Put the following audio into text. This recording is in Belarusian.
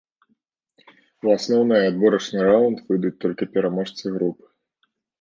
У асноўнай адборачны раўнд выйдуць толькі пераможцы груп.